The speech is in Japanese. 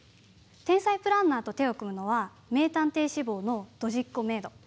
天才プランナーと手を組むのは名探偵志望のドジッ娘メイド。